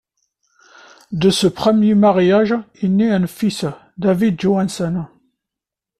De ce premier mariage, est né un fils, David Johannesen.